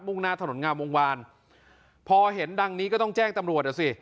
่งหน้าถนนงามวงวานพอเห็นดังนี้ก็ต้องแจ้งตำรวจอ่ะสิ